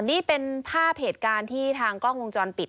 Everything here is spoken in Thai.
นี่เป็นภาพเหตุการณ์ที่ทางกล้องวงจรปิด